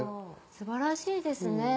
素晴らしいですね